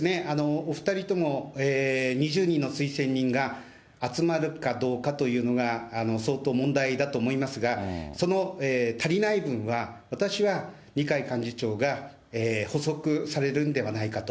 お２人とも２０人の推薦人があつまるかどうかというのが相当、問題だと思いますが、その足りない分は、私は二階幹事長が捕捉されるんではないかと。